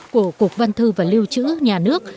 của cục văn thư và liêu chữ nhà nước